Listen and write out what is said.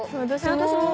私も！